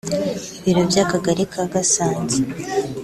Ibiro by’Akagari ka Gasanze